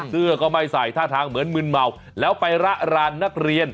เสื้อก็ไม่ใส่ท่าทางเหมือนมึนเมาแล้วไประรานนักเรียน